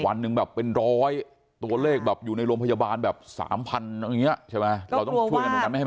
วันหนึ่งแบบเป็นร้อยตัวเลขแบบอยู่ในโรงพยาบาลแบบ๓๐๐๐อย่างนี้ใช่ไหม